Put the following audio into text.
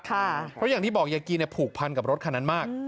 เพราะอย่างที่บอกยายกีผูกพันกับรถคันนั้นมาก